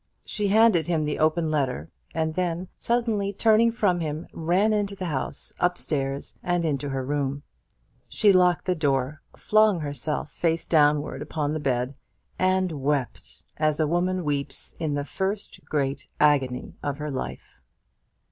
She handed him the open letter, and then, suddenly turning from him, ran into the house, up stairs, and into her room. She locked the door, flung herself face downwards upon the bed, and wept as a woman weeps in the first great agony of her life.